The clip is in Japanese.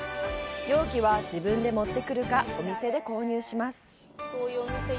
容器は自分で持ってくるかお店で購入します。